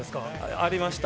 ありました。